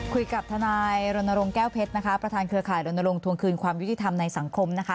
คุยกับทนายรณรงค์แก้วเพชรนะคะประธานเครือข่ายรณรงควงคืนความยุติธรรมในสังคมนะคะ